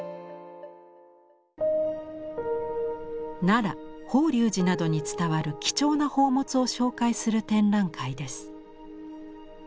奈良・法隆寺などに伝わる貴重な宝物を紹介する展覧会です。